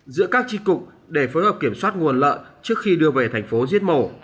giữa các chi cục để phối hợp kiểm soát nguồn lợn trước khi đưa về thành phố diết mổ